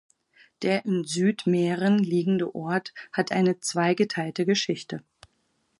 Der in Südmähren liegende Ort hat eine zweigeteilte Geschichte.